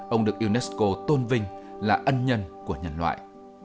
ông được unesco tôn vinh là ân nhân của nhân loại